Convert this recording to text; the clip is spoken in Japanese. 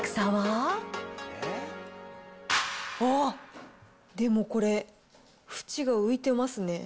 おっ、でもこれ、ふちが浮いてますね。